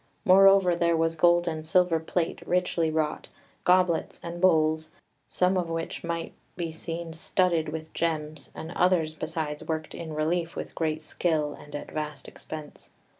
Moreover, there was gold and silver plate richly wrought, goblets and bowls, some of which might be seen studded with gems, and others besides worked in relief with great skill and at vast expense.